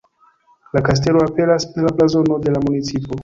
La kastelo aperas en la blazono de la municipo.